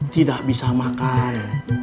tidak bisa makan